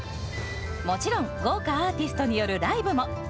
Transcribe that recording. もちろん豪華アーティストによるライブも。